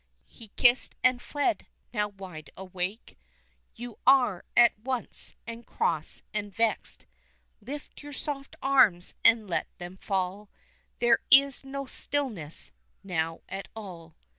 He kissed and fled, now wide awake You are at once, and cross, and vexed; Lift your soft arms and let them fall There is no stillness now at all.